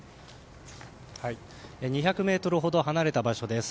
２００ｍほど離れた場所です。